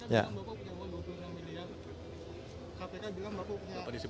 pak kpk sudah menerima pilihan